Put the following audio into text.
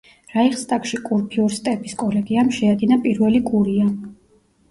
რაიხსტაგში კურფიურსტების კოლეგიამ შეადგინა პირველი კურია.